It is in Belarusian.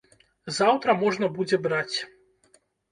Заўтра можна будзе браць.